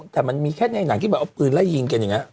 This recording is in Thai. แต่มันมีแค่ในหนังที่แบบเอาปืนไล่ยิงกันอย่างนี้